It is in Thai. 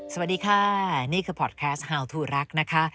สวัสดีค่ะนี่คือพอร์ตแคสต์ฮาวทูรักนะคะ